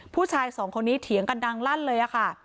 ผู้ชายสองคนนี้เถียงกันดังลั่นเลยค่ะ